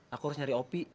aku harus nyari opi